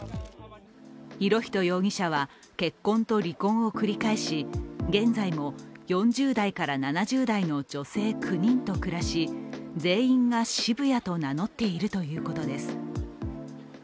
博仁容疑者は結婚と離婚を繰り返し、現在も４０代から７０代の女性９人と暮らし全員が渋谷と名乗っているということです。